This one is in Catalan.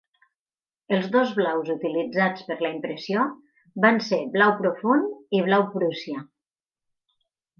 Els dos blaus utilitzats per la impressió van ser blau profund i blau Prússia.